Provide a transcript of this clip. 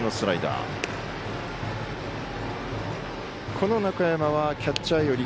この中山はキャッチャー寄り。